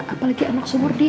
apalagi anak sumber ini